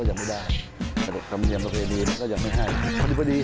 แหมลูกสาวสวยนะนี่